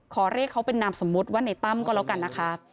ขอเรียกเขาเป็นนามสมมุติว่าในตั้มก็แล้วกันนะคะ